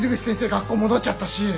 学校戻っちゃったし。